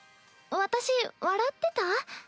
私笑ってた？